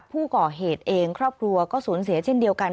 ผู้ก่อเหตุเองครอบครัวก็สูญเสียเช่นเดียวกัน